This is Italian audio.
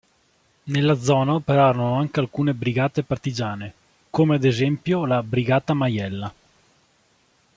Nella zona operarono anche alcune brigate partigiane, come ad esempio la "Brigata Maiella".